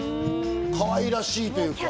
かわいらしいというか。